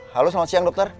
halo selamat siang dokter